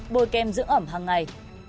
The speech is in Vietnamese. bôi kem dưỡng ẩm hằng ngày